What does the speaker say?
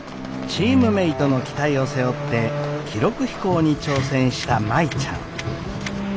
チームメイトの期待を背負って記録飛行に挑戦した舞ちゃん。